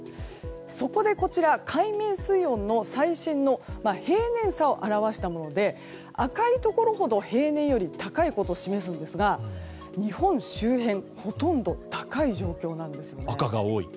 そこで海面水温の最新の平年差を表したもので赤いところほど平年より高いことを示すんですが日本周辺ほとんど高い状況なんですよね。